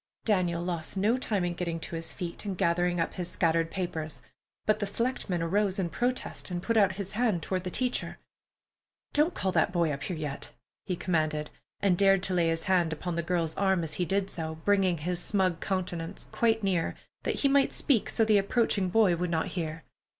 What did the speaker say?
Daniel lost no time in getting to his feet and gathering up his scattered papers, but the selectman arose in protest and put out his hand toward the teacher. "Don't call that boy up here yet," he commanded, and dared to lay his hand upon the girl's arm as he did so, bringing his smug countenance quite near, that he might speak so the approaching boy would not hear.